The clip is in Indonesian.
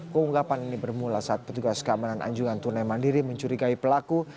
keunggapan ini bermula saat petugas keamanan anjungan tunai mandiri mencurigai pelaku